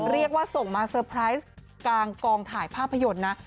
เรียกว่าส่งมาเตอร์ไพรส์กลางกองถ่ายภาพยนตร์นะ